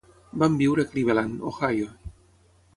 Van viure a Cleveland, Ohio.